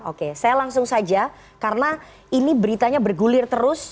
oke saya langsung saja karena ini beritanya bergulir terus